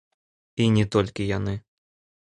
І не толькі яны!